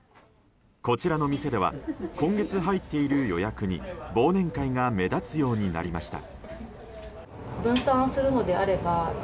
こちらの店では今月入っている予約に忘年会が目立つようになりました。